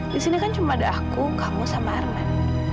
disini kan cuma ada aku kamu sama arman